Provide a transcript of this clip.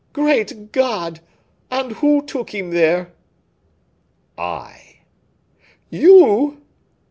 "Great God! And who took him there?" "I." "You?"